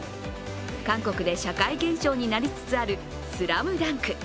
韓国で社会現象になりつつある「ＳＬＡＭＤＵＮＫ」。